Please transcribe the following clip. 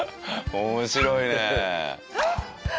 面白いね。